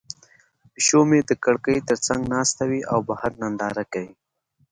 پیشو مې د کړکۍ تر څنګ ناسته وي او بهر ننداره کوي.